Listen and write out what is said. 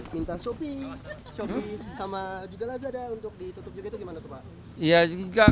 minta shopee shopee sama juga lazada untuk ditutup juga itu gimana pak